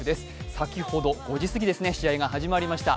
先ほど、５時すぎに試合が始まりました。